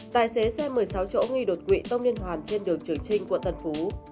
tài xế xe một mươi sáu chỗ nghi đột quỵ tông liên hoàn trên đường trường trinh quận tân phú